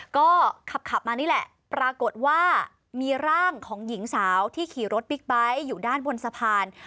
ก็ขับมานี่แหละปรากฏว่ามีร่างของหญิงสาวที่ขี่รถบิ๊กไบท์อยู่ด้านบนสะพาน